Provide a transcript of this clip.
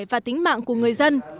và tính mạng của người dân